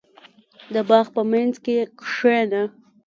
• د باغ په منځ کې کښېنه.